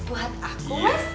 buat aku mas